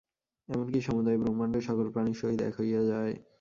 এমন কি সমুদয় ব্রহ্মাণ্ড সকল প্রাণীর সহিত এক হইয়া যায়।